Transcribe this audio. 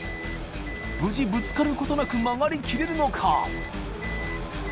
稾技ぶつかることなく曲がりきれるのか？